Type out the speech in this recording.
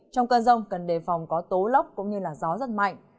trong cơn rông cần đề phòng có tố lốc cũng như gió rất mạnh